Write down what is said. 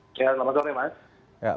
selamat sore mas